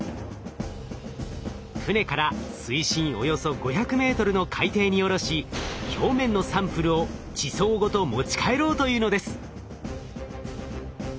船から水深およそ５００ｍの海底に下ろし表面のサンプルを地層ごと持ち帰ろうというのです。